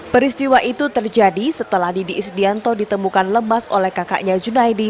peristiwa itu terjadi setelah didi isdianto ditemukan lemas oleh kakaknya junaidi